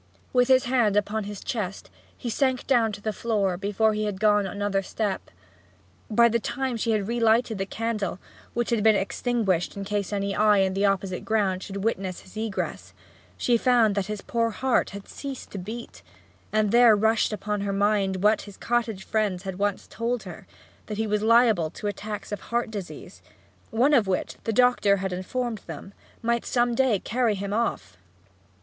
With his hand upon his chest he sank down to the floor before he had gone another step. By the time that she had relighted the candle, which had been extinguished in case any eye in the opposite grounds should witness his egress, she found that his poor heart had ceased to beat; and there rushed upon her mind what his cottage friends had once told her, that he was liable to attacks of heart disease, one of which, the doctor had informed them, might some day carry him off.